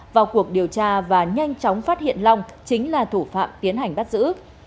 vào cuộc điều tra và nhanh chóng phát hiện long chính là thủ phạm tiến hành bắt giữ